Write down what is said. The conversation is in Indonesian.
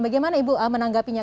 bagaimana ibu menanggapinya